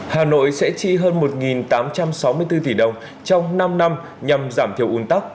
hà nội sẽ chi hơn một tám trăm sáu mươi bốn tỷ đồng trong năm năm nhằm giảm thiểu un tắc